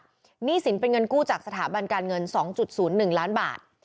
หนี้สินเป็นเงินกู้จากสถาบันการเงิน๒๐๑ล้านบาท